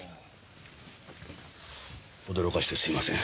驚かしてすいません。